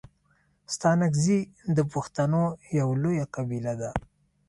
ستانگزي د پښتنو یو لويه قبیله ده.